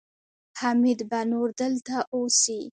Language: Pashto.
حميد به نور دلته اوسي.